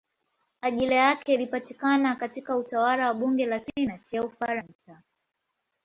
Ajira yake ilipatikana katika utawala wa bunge la senati ya Ufaransa.